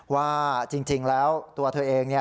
ว่าจริงแล้วตัวเธอเอง